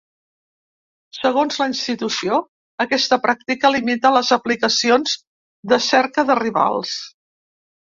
Segons la institució, aquesta pràctica limita les aplicacions de cerca de rivals.